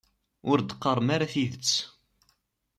Ur d-qqarem ara tidet.